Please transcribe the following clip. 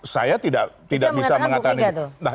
saya tidak bisa mengatakan